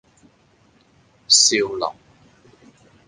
少林